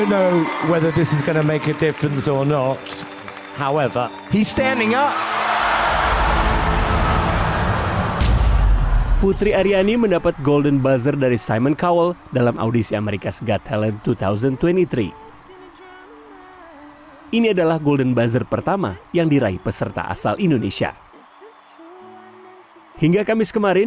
saya tidak tahu apakah ini akan membuat perbedaan atau tidak